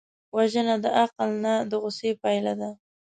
وژنه د عقل نه، د غصې پایله ده